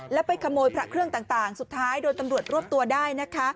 แล้วไปขโมยพระเครื่องต่างสุดท้ายโดนตำรวจรวบตัวได้นะคะ